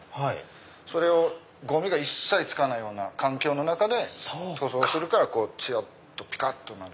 それをゴミが一切つかないような環境の中で塗装をするからツヤっとピカっとなる。